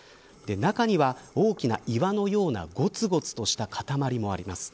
中には大きな岩のようなごつごつとした塊もあります。